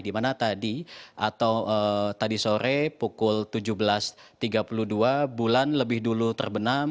dimana tadi atau tadi sore pukul tujuh belas tiga puluh dua bulan lebih dulu terbenam